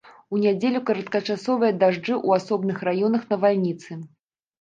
У нядзелю кароткачасовыя дажджы у асобных раёнах навальніцы.